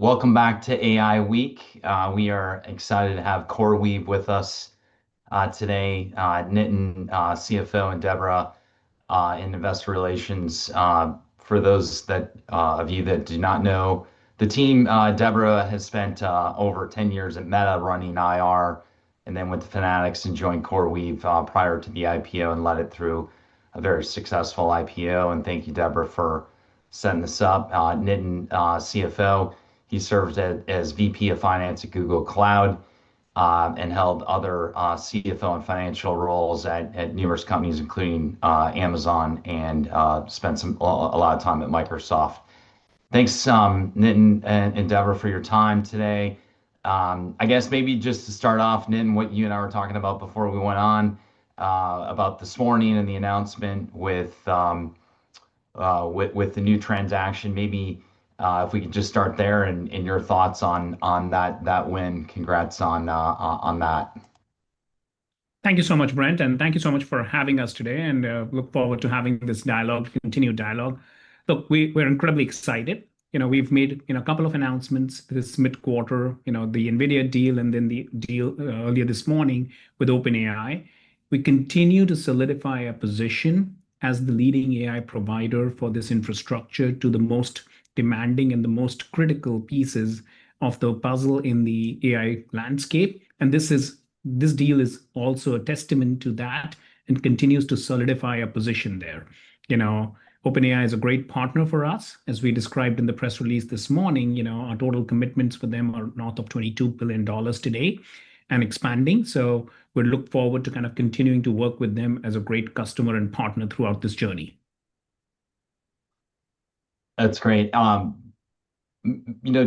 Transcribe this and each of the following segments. Welcome back to AI Week. We are excited to have CoreWeave with us today, Nitin, CFO, and Deborah in Investor Relations. For those of you that do not know the team, Deborah has spent over 10 years at Meta, running IR, and then went to Fanatics and joined CoreWeave prior to the IPO and led it through a very successful IPO. Thank you, Deborah, for setting this up. Nitin, CFO, he served as VP of Finance at Google Cloud and held other CFO and financial roles at numerous companies, including Amazon, and spent a lot of time at Microsoft. Thanks, Nitin and Deborah, for your time today. I guess maybe just to start off, Nitin, what you and I were talking about before we went on about this morning and the announcement with the new transaction, maybe if we could just start there and your thoughts on that win. Congrats on that. Thank you so much, Brent, and thank you so much for having us today. I look forward to having this dialogue, continued dialogue. Look, we're incredibly excited. We've made a couple of announcements this mid-quarter, the NVIDIA deal, and then the deal earlier this morning with OpenAI. We continue to solidify our position as the leading AI provider for this infrastructure to the most demanding and the most critical pieces of the puzzle in the AI landscape. This deal is also a testament to that and continues to solidify our position there. OpenAI is a great partner for us. As we described in the press release this morning, our total commitments for them are north of $22 billion today and expanding. We look forward to kind of continuing to work with them as a great customer and partner throughout this journey. That's great.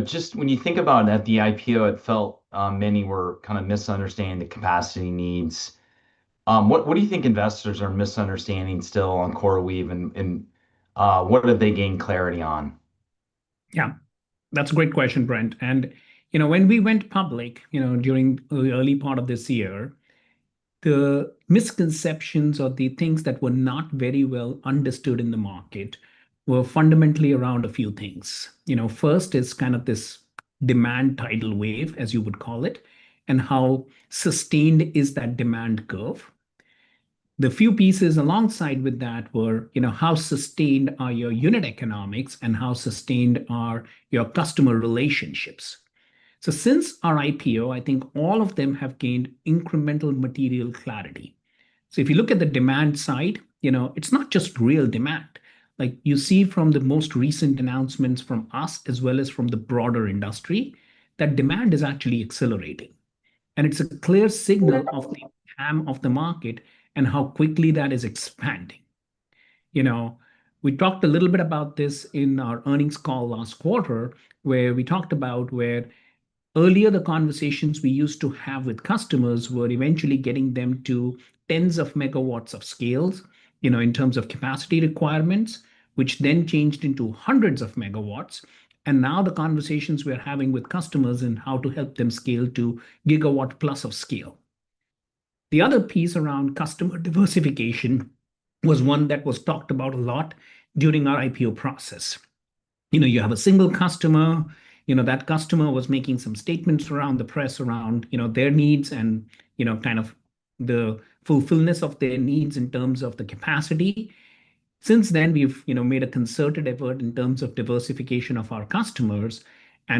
Just when you think about it at the IPO, it felt many were kind of misunderstanding the capacity needs. What do you think investors are misunderstanding still on CoreWeave? What have they gained clarity on? Yeah, that's a great question, Brent. When we went public during the early part of this year, the misconceptions or the things that were not very well understood in the market were fundamentally around a few things. First is kind of this demand tidal wave, as you would call it, and how sustained is that demand curve. The few pieces alongside with that were how sustained are your unit economics and how sustained are your customer relationships. Since our IPO, I think all of them have gained incremental material clarity. If you look at the demand side, it's not just real demand. You see from the most recent announcements from us as well as from the broader industry that demand is actually accelerating. It's a clear signal of the ham of the market and how quickly that is expanding. We talked a little bit about this in our earnings call last quarter, where we talked about where earlier the conversations we used to have with customers were eventually getting them to tens of megawatts of scale in terms of capacity requirements, which then changed into hundreds of megawatts. Now the conversations we are having with customers are how to help them scale to gigawatt plus of scale. The other piece around customer diversification was one that was talked about a lot during our IPO process. You have a single customer. That customer was making some statements around the press around their needs and kind of the fulfillment of their needs in terms of the capacity. Since then, we've made a concerted effort in terms of diversification of our customers.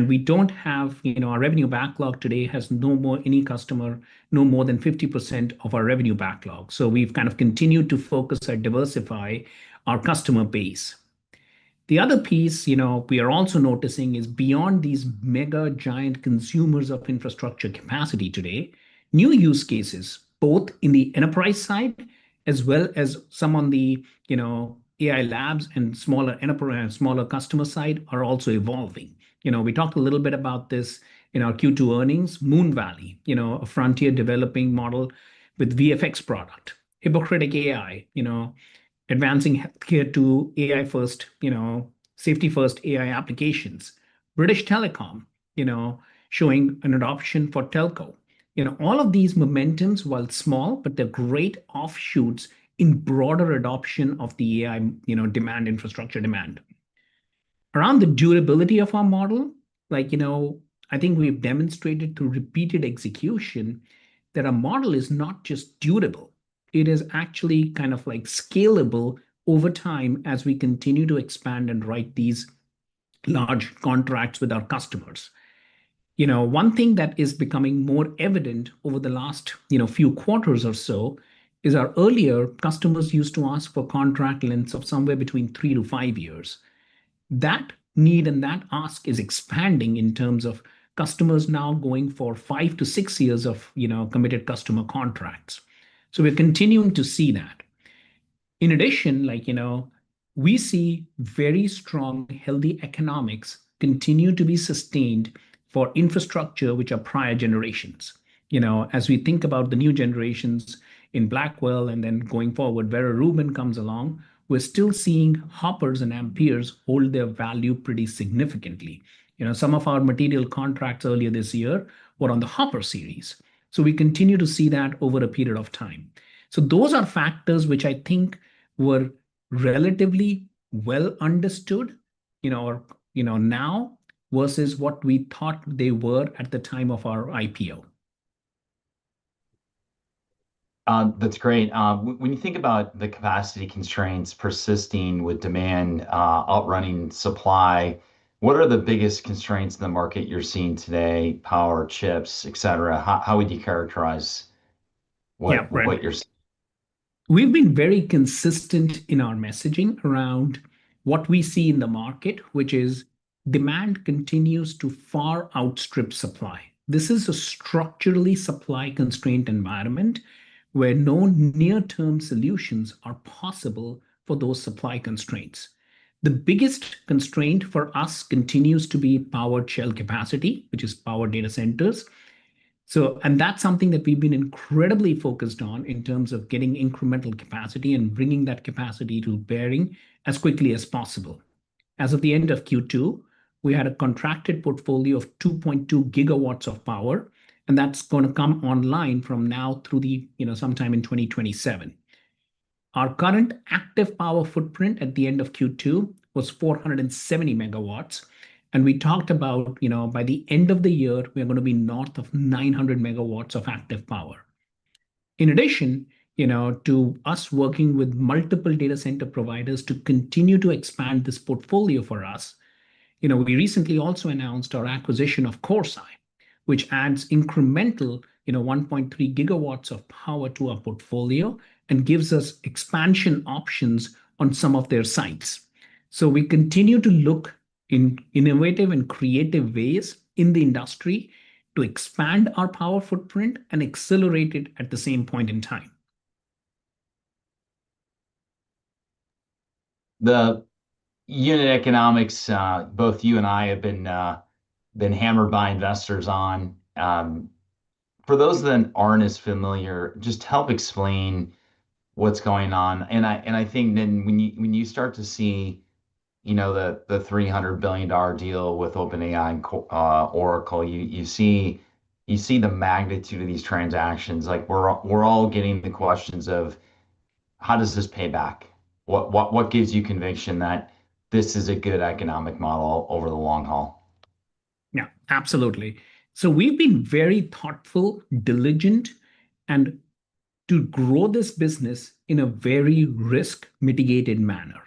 We do not have our revenue backlog today with any customer at more than 50% of our revenue backlog. We have kind of continued to focus and diversify our customer base. The other piece we are also noticing is beyond these mega giant consumers of infrastructure capacity today, new use cases, both in the enterprise side as well as some on the AI labs and smaller enterprise and smaller customer side, are also evolving. We talked a little bit about this in our Q2 earnings, Moon Valley, a frontier developing model with VFX product, Hippocratic AI, advancing healthcare to AI-first, safety-first AI applications, British Telecom showing an adoption for telco. All of these momentums, while small, but they are great offshoots in broader adoption of the AI demand infrastructure demand. Around the durability of our model, I think we've demonstrated through repeated execution that our model is not just durable. It is actually kind of scalable over time as we continue to expand and write these large contracts with our customers. One thing that is becoming more evident over the last few quarters or so is our earlier customers used to ask for contract lengths of somewhere between three to five years. That need and that ask is expanding in terms of customers now going for five to six years of committed customer contracts. We're continuing to see that. In addition, we see very strong, healthy economics continue to be sustained for infrastructure, which are prior generations. As we think about the new generations in Blackwell and then going forward, where Rubin comes along, we're still seeing Hoppers and Amperes hold their value pretty significantly. Some of our material contracts earlier this year were on the Hopper series. We continue to see that over a period of time. Those are factors which I think were relatively well understood now versus what we thought they were at the time of our IPO. That's great. When you think about the capacity constraints persisting with demand, outrunning supply, what are the biggest constraints in the market you're seeing today? Power, chips, et cetera? How would you characterize what you're seeing? We've been very consistent in our messaging around what we see in the market, which is demand continues to far outstrip supply. This is a structurally supply constrained environment where no near-term solutions are possible for those supply constraints. The biggest constraint for us continues to be power shell capacity, which is power data centers. That is something that we've been incredibly focused on in terms of getting incremental capacity and bringing that capacity to bear as quickly as possible. As of the end of Q2, we had a contracted portfolio of 2.2 GW of power. That is going to come online from now through sometime in 2027. Our current active power footprint at the end of Q2 was 470 MW. We talked about by the end of the year, we are going to be north of 900 MW of active power. In addition to us working with multiple data center providers to continue to expand this portfolio for us, we recently also announced our acquisition of CoreSite, which adds incremental 1.3 GW of power to our portfolio and gives us expansion options on some of their sites. We continue to look in innovative and creative ways in the industry to expand our power footprint and accelerate it at the same point in time. The unit economics, both you and I have been hammered by investors on. For those that aren't as familiar, just help explain what's going on. I think, Nitin, when you start to see the $300 billion deal with OpenAI and Oracle, you see the magnitude of these transactions. We're all getting the questions of, how does this pay back? What gives you conviction that this is a good economic model over the long haul? Yeah, absolutely. We have been very thoughtful, diligent, and to grow this business in a very risk-mitigated manner.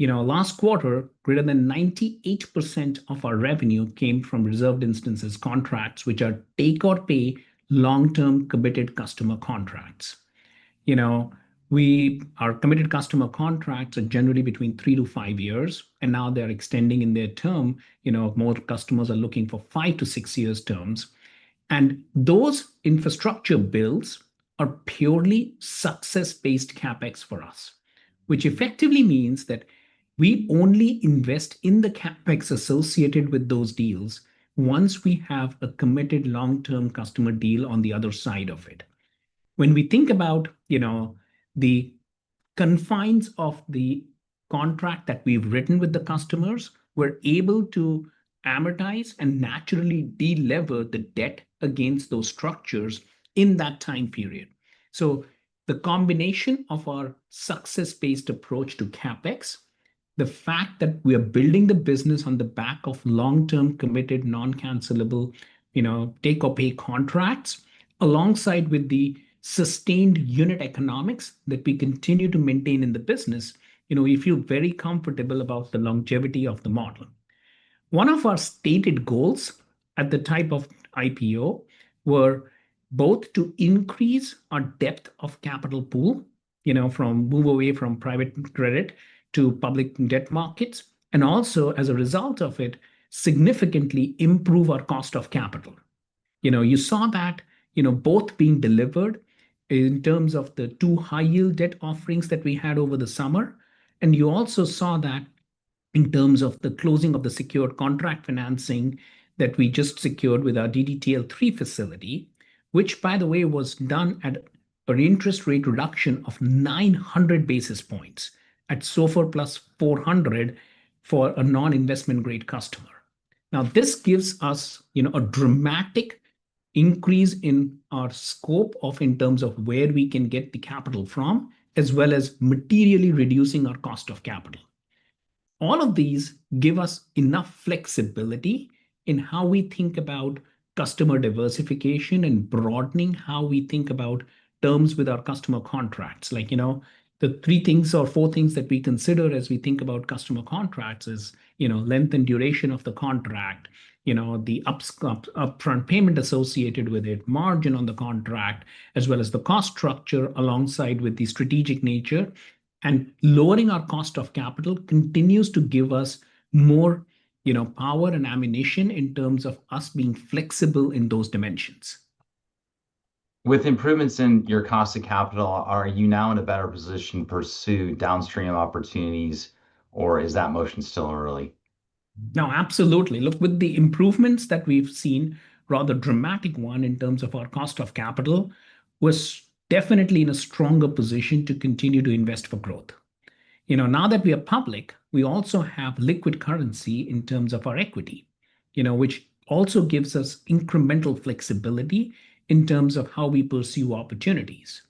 Last quarter, greater than 98% of our revenue came from reserved instances contracts, which are take-or-pay long-term committed customer contracts. Our committed customer contracts are generally between three to five years. Now they are extending in their term. Most customers are looking for five- to six-year terms. Those infrastructure builds are purely success-based CapEx for us, which effectively means that we only invest in the CapEx associated with those deals once we have a committed long-term customer deal on the other side of it. When we think about the confines of the contract that we have written with the customers, we are able to amortize and naturally de-lever the debt against those structures in that time period. The combination of our success-based approach to CapEx, the fact that we are building the business on the back of long-term committed non-cancelable take-or-pay contracts alongside with the sustained unit economics that we continue to maintain in the business, you feel very comfortable about the longevity of the model. One of our stated goals at the type of IPO were both to increase our depth of capital pool from move away from private credit to public debt markets and also, as a result of it, significantly improve our cost of capital. You saw that both being delivered in terms of the two high-yield debt offerings that we had over the summer. You also saw that in terms of the closing of the secured contract financing that we just secured with our DDTL3 facility, which, by the way, was done at an interest rate reduction of 900 basis points at SOFR plus 400 for a non-investment-grade customer. This gives us a dramatic increase in our scope in terms of where we can get the capital from, as well as materially reducing our cost of capital. All of these give us enough flexibility in how we think about customer diversification and broadening how we think about terms with our customer contracts. The three things or four things that we consider as we think about customer contracts is length and duration of the contract, the upfront payment associated with it, margin on the contract, as well as the cost structure alongside with the strategic nature. Lowering our cost of capital continues to give us more power and ammunition in terms of us being flexible in those dimensions. With improvements in your cost of capital, are you now in a better position to pursue downstream opportunities, or is that motion still early? No, absolutely. Look, with the improvements that we've seen, rather dramatic one in terms of our cost of capital, we're definitely in a stronger position to continue to invest for growth. Now that we are public, we also have liquid currency in terms of our equity, which also gives us incremental flexibility in terms of how we pursue opportunities.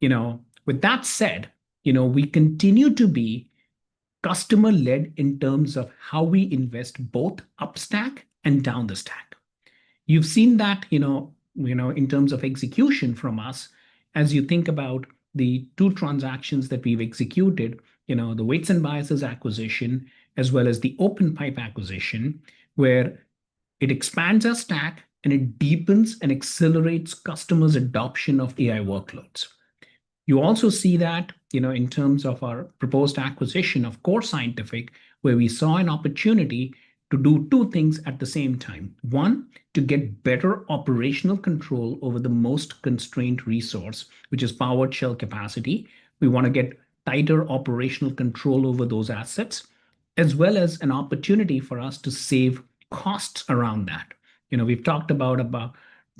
With that said, we continue to be customer-led in terms of how we invest both upstack and down the stack. You've seen that in terms of execution from us. As you think about the two transactions that we've executed, the Weights & Biases acquisition, as well as the OpenPipe acquisition, where it expands our stack and it deepens and accelerates customers' adoption of AI workloads. You also see that in terms of our proposed acquisition of Core Scientific, where we saw an opportunity to do two things at the same time. One, to get better operational control over the most constrained resource, which is power shell capacity. We want to get tighter operational control over those assets, as well as an opportunity for us to save costs around that. We have talked about about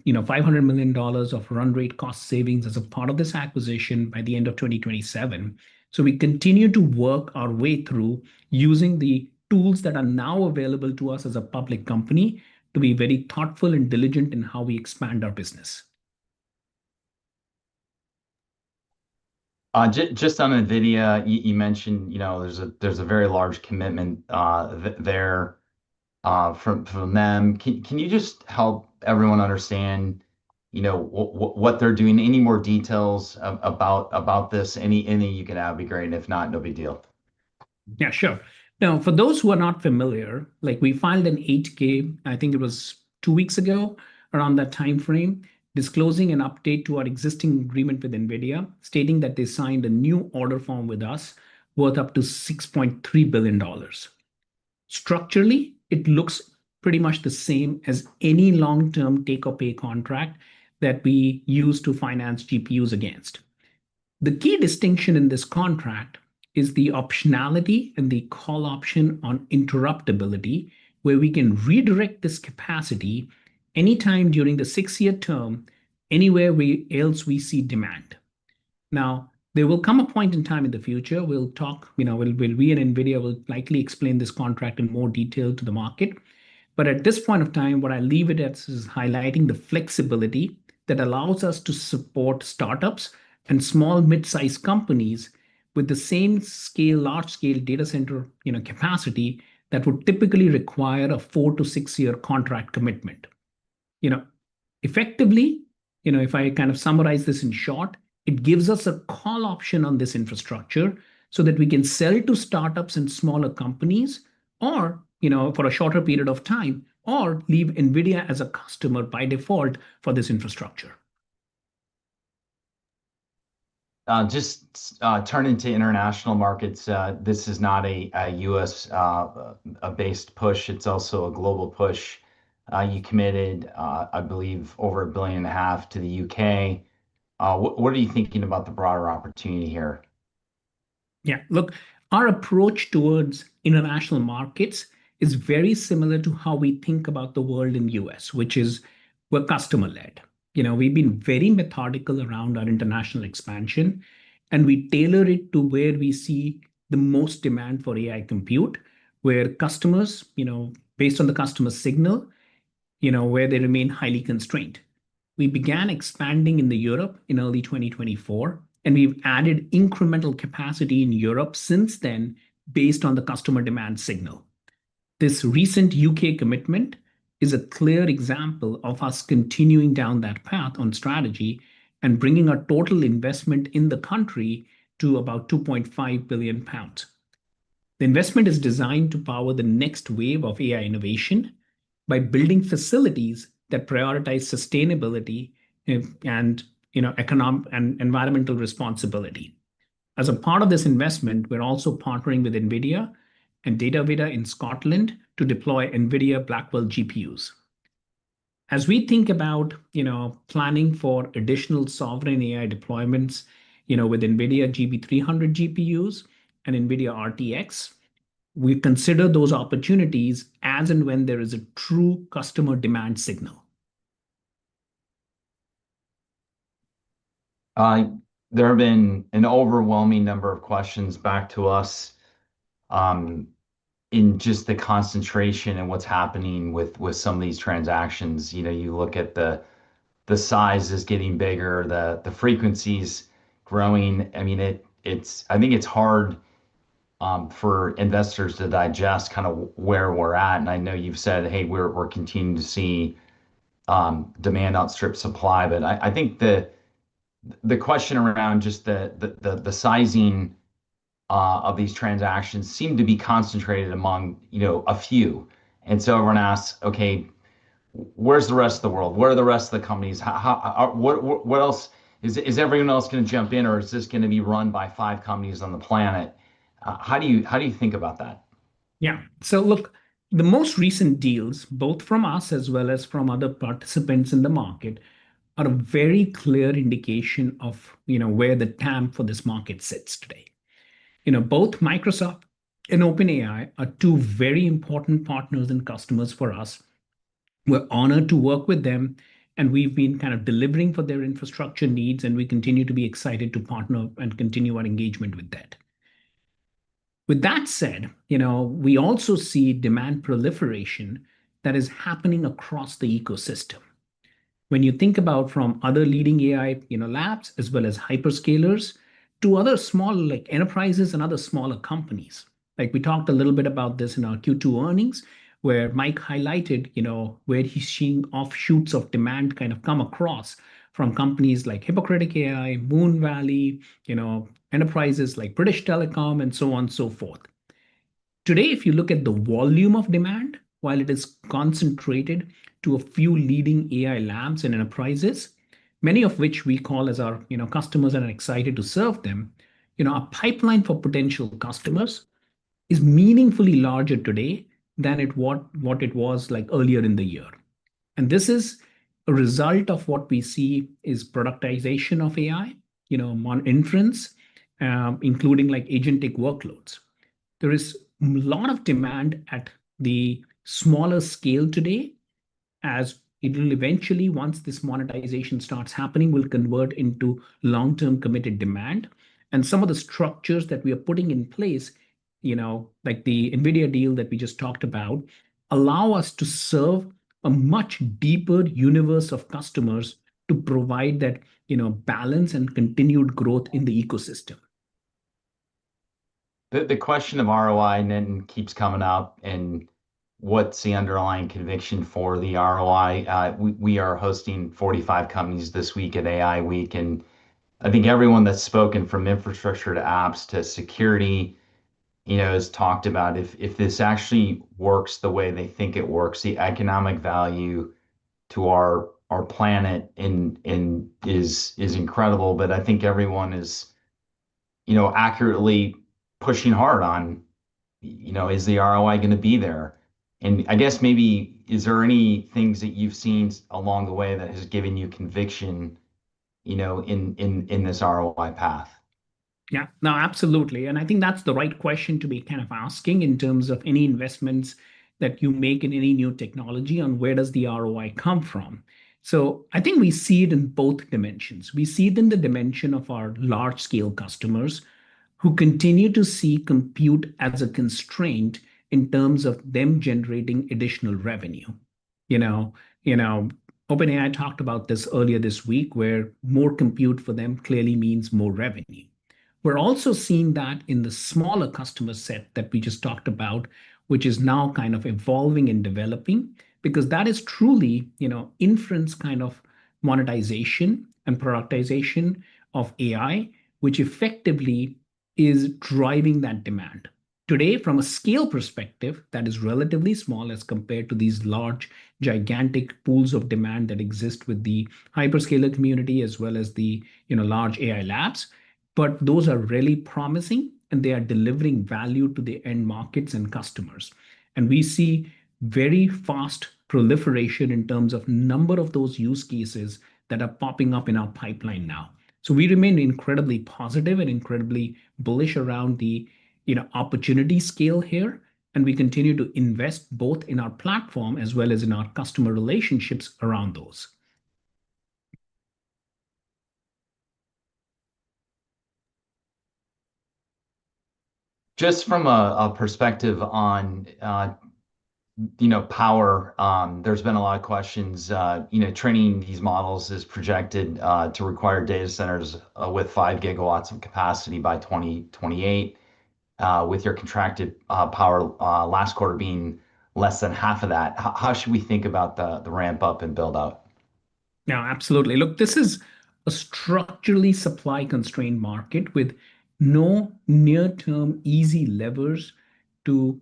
$500 million of run rate cost savings as a part of this acquisition by the end of 2027. We continue to work our way through using the tools that are now available to us as a public company to be very thoughtful and diligent in how we expand our business. Just on NVIDIA, you mentioned there is a very large commitment there from them. Can you just help everyone understand what they are doing? Any more details about this? Any you can add would be great. If not, no big deal. Yeah, sure. Now, for those who are not familiar, we filed an 8K, I think it was two weeks ago around that time frame, disclosing an update to our existing agreement with NVIDIA, stating that they signed a new order form with us worth up to $6.3 billion. Structurally, it looks pretty much the same as any long-term take or pay contract that we use to finance GPUs against. The key distinction in this contract is the optionality and the call option on interruptibility, where we can redirect this capacity anytime during the six-year term anywhere else we see demand. Now, there will come a point in time in the future. We'll talk, we and NVIDIA will likely explain this contract in more detail to the market. At this point of time, what I leave it as is highlighting the flexibility that allows us to support startups and small, mid-sized companies with the same large-scale data center capacity that would typically require a four to six-year contract commitment. Effectively, if I kind of summarize this in short, it gives us a call option on this infrastructure so that we can sell to startups and smaller companies for a shorter period of time or leave NVIDIA as a customer by default for this infrastructure. Just turning to international markets, this is not a U.S.-based push. It's also a global push. You committed, I believe, over 1.5 billion to the U.K. What are you thinking about the broader opportunity here? Yeah, look, our approach towards international markets is very similar to how we think about the world in the U.S., which is we're customer-led. We've been very methodical around our international expansion. We tailor it to where we see the most demand for AI compute, where customers, based on the customer signal, where they remain highly constrained. We began expanding in Europe in early 2024. We've added incremental capacity in Europe since then based on the customer demand signal. This recent U.K. commitment is a clear example of us continuing down that path on strategy and bringing our total investment in the country to about 2.5 billion pounds. The investment is designed to power the next wave of AI innovation by building facilities that prioritize sustainability and environmental responsibility. As a part of this investment, we're also partnering with NVIDIA and DataVita in Scotland to deploy NVIDIA Blackwell GPUs. As we think about planning for additional sovereign AI deployments with NVIDIA GB300 GPUs and NVIDIA RTX, we consider those opportunities as and when there is a true customer demand signal. There have been an overwhelming number of questions back to us in just the concentration and what's happening with some of these transactions. You look at the size is getting bigger, the frequency is growing. I mean, I think it's hard for investors to digest kind of where we're at. I know you've said, hey, we're continuing to see demand outstrip supply. I think the question around just the sizing of these transactions seems to be concentrated among a few. Everyone asks, ok, where's the rest of the world? Where are the rest of the companies? Is everyone else going to jump in, or is this going to be run by five companies on the planet? How do you think about that? Yeah. Look, the most recent deals, both from us as well as from other participants in the market, are a very clear indication of where the TAM for this market sits today. Both Microsoft and OpenAI are two very important partners and customers for us. We're honored to work with them. We've been kind of delivering for their infrastructure needs. We continue to be excited to partner and continue our engagement with that. With that said, we also see demand proliferation that is happening across the ecosystem. When you think about from other leading AI labs as well as hyperscalers to other small enterprises and other smaller companies, like we talked a little bit about this in our Q2 earnings, where Mike highlighted where he's seeing offshoots of demand kind of come across from companies like Hippocratic AI, Moonvalley, enterprises like British Telecom, and so on and so forth. Today, if you look at the volume of demand, while it is concentrated to a few leading AI labs and enterprises, many of which we call as our customers and are excited to serve them, our pipeline for potential customers is meaningfully larger today than what it was like earlier in the year. This is a result of what we see is productization of AI, inference, including agentic workloads. There is a lot of demand at the smaller scale today, as it will eventually, once this monetization starts happening, will convert into long-term committed demand. Some of the structures that we are putting in place, like the NVIDIA deal that we just talked about, allow us to serve a much deeper universe of customers to provide that balance and continued growth in the ecosystem. The question of ROI, Nitin, keeps coming up. What is the underlying conviction for the ROI? We are hosting 45 companies this week at AI Week. I think everyone that has spoken, from infrastructure to apps to security, has talked about if this actually works the way they think it works, the economic value to our planet is incredible. I think everyone is accurately pushing hard on, is the ROI going to be there? I guess maybe, is there anything that you have seen along the way that has given you conviction in this ROI path? Yeah, no, absolutely. I think that's the right question to be kind of asking in terms of any investments that you make in any new technology on where does the ROI come from. I think we see it in both dimensions. We see it in the dimension of our large-scale customers who continue to see compute as a constraint in terms of them generating additional revenue. OpenAI talked about this earlier this week, where more compute for them clearly means more revenue. We're also seeing that in the smaller customer set that we just talked about, which is now kind of evolving and developing, because that is truly inference kind of monetization and productization of AI, which effectively is driving that demand. Today, from a scale perspective, that is relatively small as compared to these large gigantic pools of demand that exist with the hyperscaler community as well as the large AI labs. Those are really promising. They are delivering value to the end markets and customers. We see very fast proliferation in terms of number of those use cases that are popping up in our pipeline now. We remain incredibly positive and incredibly bullish around the opportunity scale here. We continue to invest both in our platform as well as in our customer relationships around those. Just from a perspective on power, there's been a lot of questions. Training these models is projected to require data centers with 5 GW of capacity by 2028, with your contracted power last quarter being less than half of that. How should we think about the ramp up and build out? No, absolutely. Look, this is a structurally supply-constrained market with no near-term easy levers to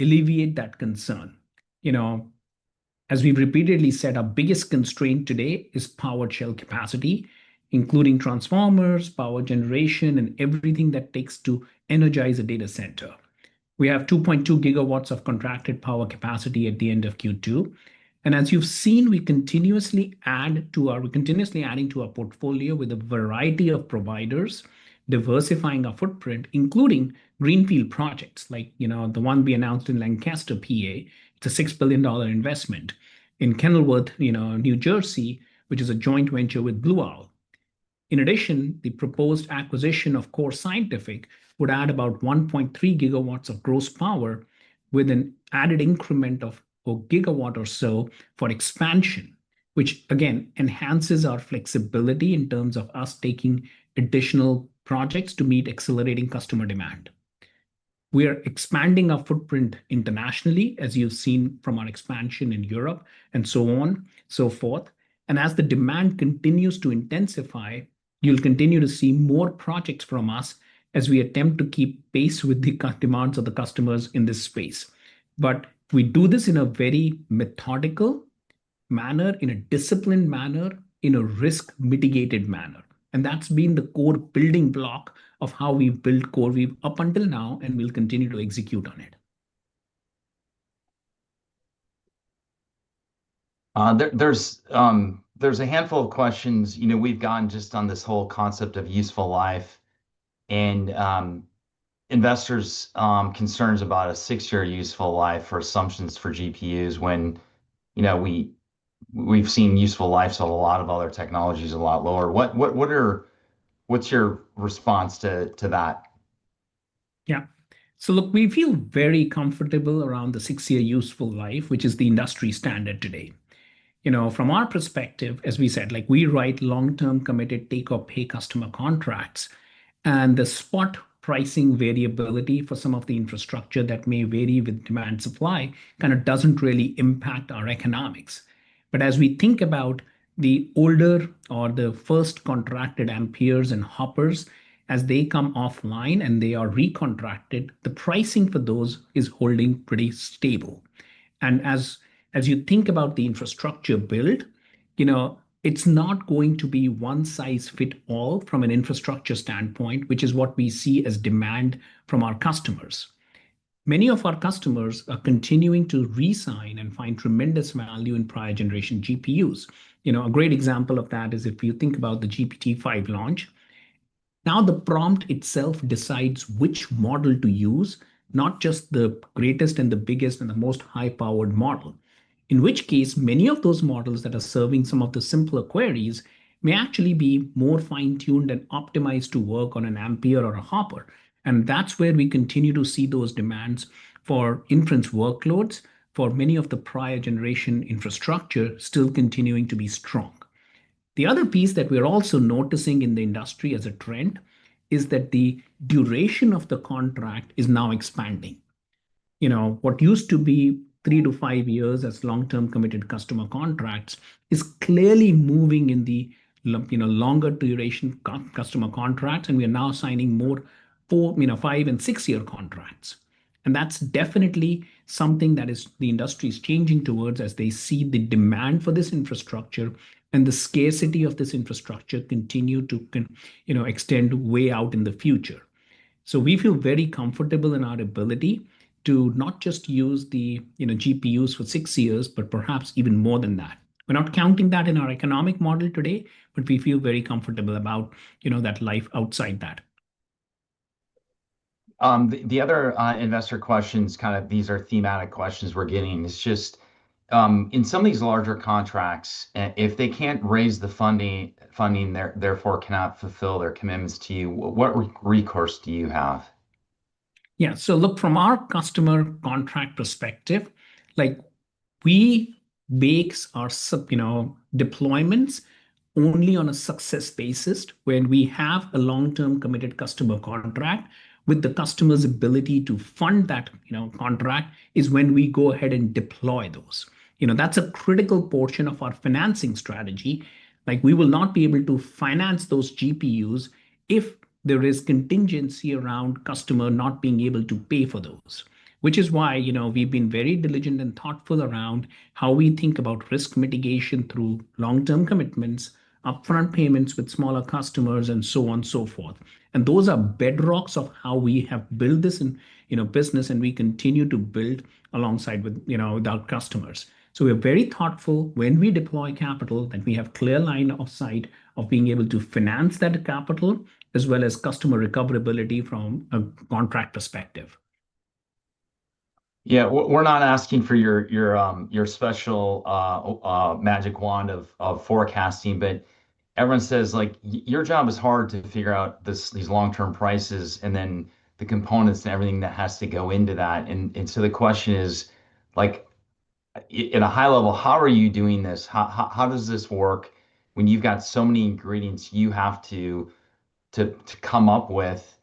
alleviate that concern. As we've repeatedly said, our biggest constraint today is power shell capacity, including transformers, power generation, and everything that takes to energize a data center. We have 2.2 GW of contracted power capacity at the end of Q2. As you've seen, we continuously add to our portfolio with a variety of providers, diversifying our footprint, including greenfield projects like the one we announced in Lancaster, PA. It's a $6 billion investment in Kenilworth, N.J., which is a joint venture with Blue Owl. In addition, the proposed acquisition of Core Scientific would add about 1.3 GW of gross power with an added increment of a gigawatt or so for expansion, which, again, enhances our flexibility in terms of us taking additional projects to meet accelerating customer demand. We are expanding our footprint internationally, as you've seen from our expansion in Europe and so on and so forth. As the demand continues to intensify, you'll continue to see more projects from us as we attempt to keep pace with the demands of the customers in this space. We do this in a very methodical manner, in a disciplined manner, in a risk-mitigated manner. That has been the core building block of how we've built CoreWeave up until now and will continue to execute on it. There's a handful of questions. We've gone just on this whole concept of useful life and investors' concerns about a six-year useful life for assumptions for GPUs when we've seen useful lives on a lot of other technologies a lot lower. What's your response to that? Yeah. Look, we feel very comfortable around the six-year useful life, which is the industry standard today. From our perspective, as we said, we write long-term committed take-or-pay customer contracts. The spot pricing variability for some of the infrastructure that may vary with demand and supply kind of does not really impact our economics. As we think about the older or the first contracted Amperes and Hoppers, as they come offline and they are recontracted, the pricing for those is holding pretty stable. As you think about the infrastructure build, it is not going to be one size fits all from an infrastructure standpoint, which is what we see as demand from our customers. Many of our customers are continuing to re-sign and find tremendous value in prior generation GPUs. A great example of that is if you think about the GPT-5 launch. Now the prompt itself decides which model to use, not just the greatest and the biggest and the most high-powered model, in which case many of those models that are serving some of the simpler queries may actually be more fine-tuned and optimized to work on an Ampere or a Hopper. That is where we continue to see those demands for inference workloads for many of the prior generation infrastructure still continuing to be strong. The other piece that we are also noticing in the industry as a trend is that the duration of the contract is now expanding. What used to be three to five years as long-term committed customer contracts is clearly moving in the longer duration customer contracts. We are now signing more five and six-year contracts. That is definitely something that the industry is changing towards as they see the demand for this infrastructure and the scarcity of this infrastructure continue to extend way out in the future. We feel very comfortable in our ability to not just use the GPUs for six years, but perhaps even more than that. We are not counting that in our economic model today, but we feel very comfortable about that life outside that. The other investor questions, kind of these are thematic questions we're getting. It's just in some of these larger contracts, if they can't raise the funding, therefore cannot fulfill their commitments to you, what recourse do you have? Yeah. Look, from our customer contract perspective, we base our deployments only on a success basis. When we have a long-term committed customer contract, with the customer's ability to fund that contract is when we go ahead and deploy those. That is a critical portion of our financing strategy. We will not be able to finance those GPUs if there is contingency around customer not being able to pay for those, which is why we've been very diligent and thoughtful around how we think about risk mitigation through long-term commitments, upfront payments with smaller customers, and so on and so forth. Those are bedrocks of how we have built this business and we continue to build alongside with our customers. We are very thoughtful when we deploy capital that we have a clear line of sight of being able to finance that capital as well as customer recoverability from a contract perspective. Yeah, we're not asking for your special magic wand of forecasting. Everyone says your job is hard to figure out these long-term prices and then the components and everything that has to go into that. The question is, at a high level, how are you doing this? How does this work when you've got so many ingredients you have to come up with?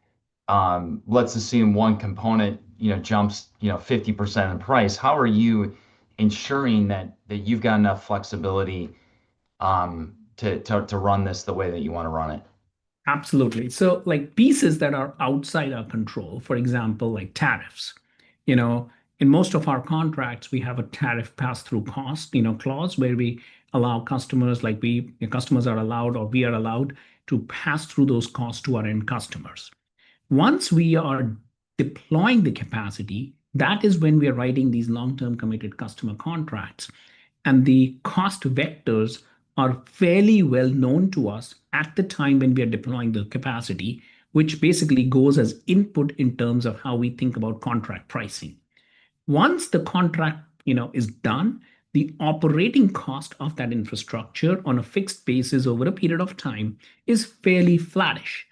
Let's assume one component jumps 50% in price. How are you ensuring that you've got enough flexibility to run this the way that you want to run it? Absolutely. Pieces that are outside our control, for example, like tariffs. In most of our contracts, we have a tariff pass-through cost clause where we allow customers, like customers are allowed or we are allowed to pass through those costs to our end customers. Once we are deploying the capacity, that is when we are writing these long-term committed customer contracts. The cost vectors are fairly well known to us at the time when we are deploying the capacity, which basically goes as input in terms of how we think about contract pricing. Once the contract is done, the operating cost of that infrastructure on a fixed basis over a period of time is fairly flattish,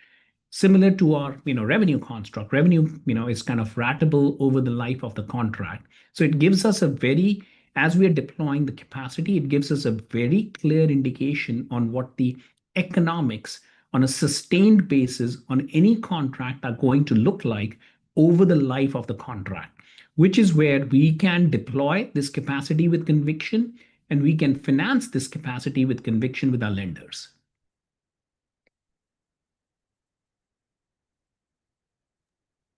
similar to our revenue construct. Revenue is kind of ratable over the life of the contract. It gives us a very, as we are deploying the capacity, it gives us a very clear indication on what the economics on a sustained basis on any contract are going to look like over the life of the contract, which is where we can deploy this capacity with conviction and we can finance this capacity with conviction with our lenders.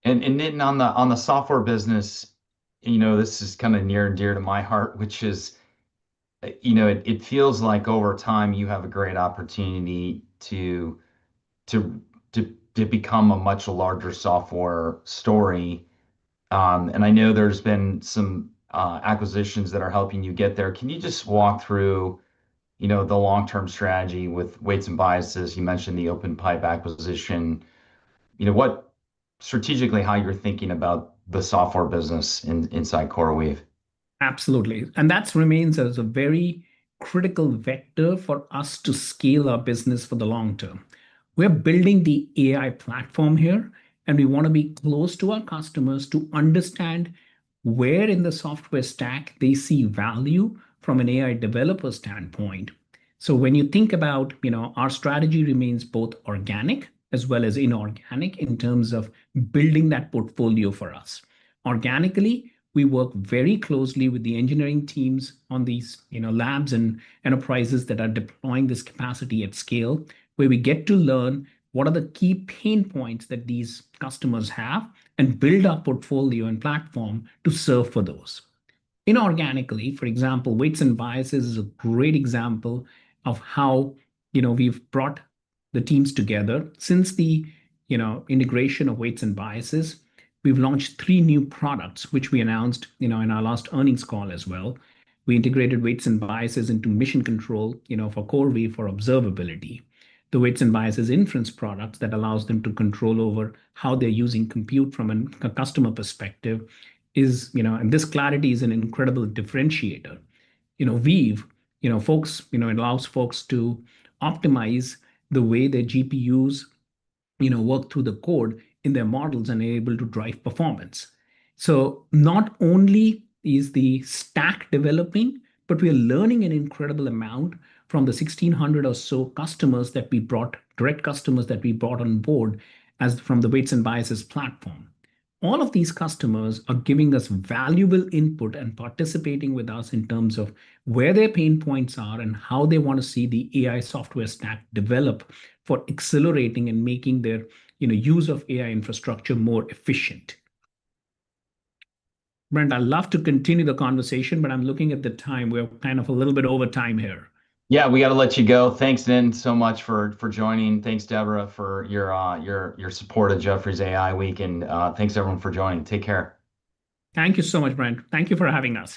Nitin, on the software business, this is kind of near and dear to my heart, which is it feels like over time you have a great opportunity to become a much larger software story. I know there have been some acquisitions that are helping you get there. Can you just walk through the long-term strategy with Weights & Biases? You mentioned the OpenPipe acquisition. Strategically, how you are thinking about the software business inside CoreWeave? Absolutely. That remains as a very critical vector for us to scale our business for the long term. We're building the AI platform here. We want to be close to our customers to understand where in the software stack they see value from an AI developer standpoint. When you think about it, our strategy remains both organic as well as inorganic in terms of building that portfolio for us. Organically, we work very closely with the engineering teams on these labs and enterprises that are deploying this capacity at scale where we get to learn what are the key pain points that these customers have and build our portfolio and platform to serve for those. Inorganically, for example, Weights & Biases is a great example of how we've brought the teams together. Since the integration of Weights & Biases, we've launched three new products, which we announced in our last earnings call as well. We integrated Weights & Biases into Mission Control for CoreWeave for observability. The Weights & Biases inference products that allows them to control over how they're using compute from a customer perspective. This clarity is an incredible differentiator. Weave allows folks to optimize the way their GPUs work through the code in their models and are able to drive performance. Not only is the stack developing, but we are learning an incredible amount from the 1,600 or so direct customers that we brought on board from the Weights & Biases platform. All of these customers are giving us valuable input and participating with us in terms of where their pain points are and how they want to see the AI software stack develop for accelerating and making their use of AI infrastructure more efficient. Brent, I'd love to continue the conversation, but I'm looking at the time. We're kind of a little bit over time here. Yeah, we got to let you go. Thanks, Nitin, so much for joining. Thanks, Deborah, for your support of Jeffrey's AI Week. And thanks, everyone, for joining. Take care. Thank you so much, Brent. Thank you for having us.